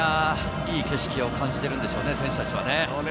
いい景色を感じてるんでしょうね、選手たちは。